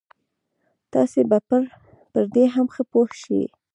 تاسې به پر دې هم ښه پوه شئ.